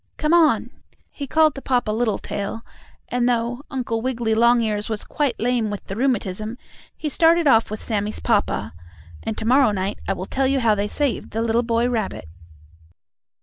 Come on!" he called to Papa Littletail, and, though Uncle Wiggily Longears was quite lame with the rheumatism, he started off with Sammie's papa, and to morrow night I will tell you how they saved the little boy rabbit.